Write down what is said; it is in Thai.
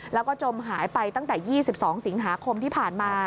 แล้วก็จมหายไปตั้งแต่๒๒สิงหาคมที่ผ่านมา